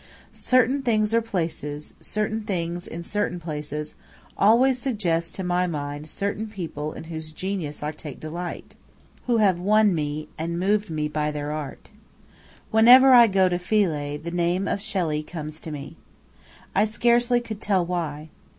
Certain things or places, certain things in certain places, always suggest to my mind certain people in whose genius I take delight who have won me, and moved me by their art. Whenever I go to Philae, the name of Shelley comes to me. I scarcely could tell why.